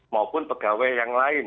maupun pegawai yang lain